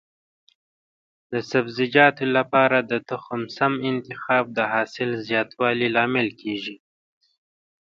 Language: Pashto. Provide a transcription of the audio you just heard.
د سبزیجاتو لپاره د تخم سم انتخاب د حاصل زیاتوالي لامل کېږي.